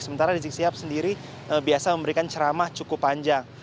sementara rizik sihab sendiri biasa memberikan ceramah cukup panjang